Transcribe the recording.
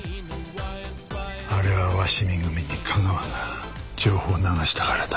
あれは鷲見組に架川が情報を流したからだ。